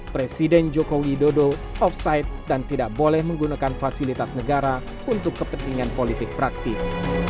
presiden joko widodo offside dan tidak boleh menggunakan fasilitas negara untuk kepentingan politik praktis